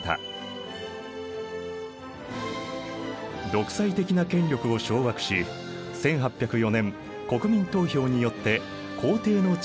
独裁的な権力を掌握し１８０４年国民投票によって皇帝の地位につく。